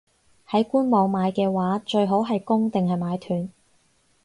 喺官網買嘅話，最好係供定係買斷?